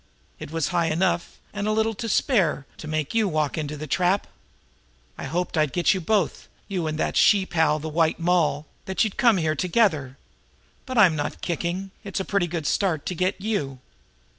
It was high enough, and a little to spare, to make you walk into the trap! I hoped I'd get you both, you and your she pal, the White Moll; that you'd come here together but I'm not kicking. It's a pretty good start to get you!"